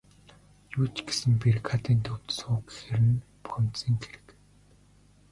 Юу ч гэсэн бригадын төвд суу гэхээр нь бухимдсан хэрэг.